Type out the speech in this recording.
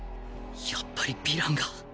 やっぱりヴィランが。